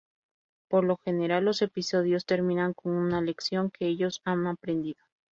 Por lo general los episodios terminan con una lección que ellos han aprendido.